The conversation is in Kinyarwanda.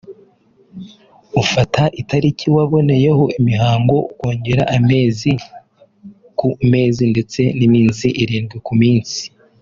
Ufata italiki waboneyeho imihango ukongeraho amezi ku mezi ndetse n’iminsi irindwi ku minsi